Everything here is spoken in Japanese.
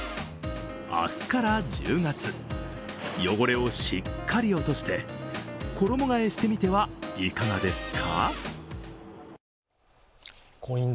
明日から１０月、汚れをしっかり落として、衣がえしてみてはいかがですか？